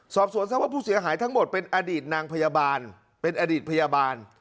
สอบสวนทราบว่าผู้เสียหายทั้งหมดเป็นอดีตนางพยาบาลเป็นอดีตพยาบาล